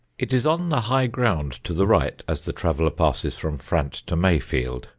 It is on the high ground to the right, as the traveller passes from Frant to Mayfield.